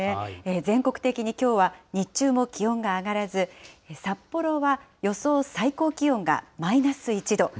全国的にきょうは日中も気温が上がらず、札幌は予想最高気温がママイナス？